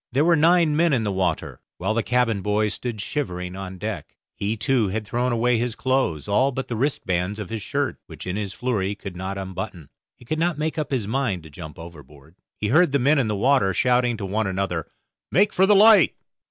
There were nine men in the water, while the cabin boy stood shivering on deck. He, too, had thrown away his clothes, all but the wrist bands of his shirt, which in his flurry he could not unbutton. He could not make up his mind to jump overboard. He heard the men in the water shouting to one another, "Make for the light."